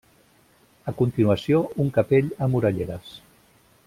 A continuació un capell amb orelleres.